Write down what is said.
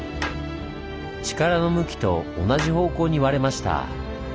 力の向きと同じ方向に割れました。